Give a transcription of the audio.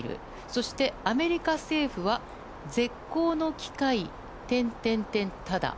そしてアメリカ政府は絶好の機会ただ。